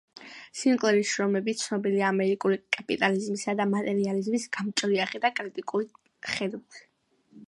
სინკლერის შრომები ცნობილია ამერიკული კაპიტალიზმისა და მატერიალიზმის გამჭრიახი და კრიტიკული ხედვით.